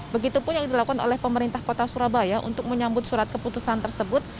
begitupun yang dilakukan oleh pemerintah kota surabaya untuk menyambut surat keputusan tersebut